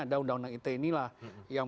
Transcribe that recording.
ada undang undang ite inilah yang